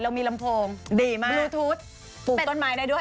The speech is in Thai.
เรามีลำโพงบลูทูธปลูกต้นไม้ได้ด้วย